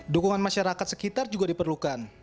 dukungan masyarakat sekitar juga diperlukan